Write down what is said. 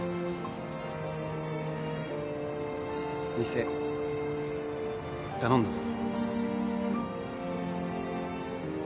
店頼んだぞ。